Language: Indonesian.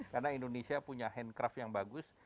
karena indonesia punya handcraft yang bagus